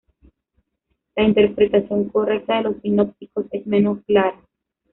La interpretación correcta de los sinópticos es menos clara.